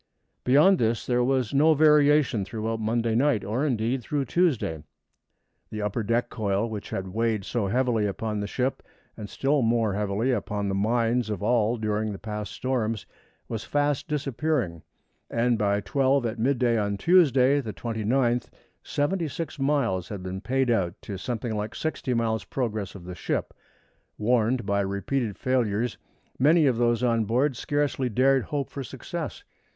Beyond this there was no variation throughout Monday night, or indeed through Tuesday. The upper deck coil, which had weighed so heavily upon the ship and still more heavily upon the minds of all during the past storms was fast disappearing, and by twelve at midday on Tuesday, the 29th, seventy six miles had been paid out to something like sixty miles' progress of the ship. Warned by repeated failures, many of those on board scarcely dared hope for success.